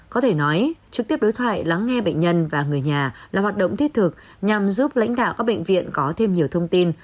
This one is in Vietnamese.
có thể nói trực tiếp đối thoại lắng nghe bệnh nhân và người nhà là hoạt động thiết thực nhằm giúp lãnh đạo các bệnh viện có thêm nhiều thông tin